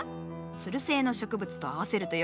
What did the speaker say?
つる性の植物と合わせるとよいぞ。